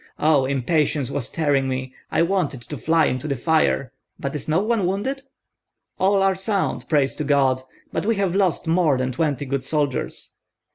Oh, impatience was tearing me, I wanted to fly into the fire! But is no one wounded?" "All are sound, praise to God; but we have lost more than twenty good soldiers."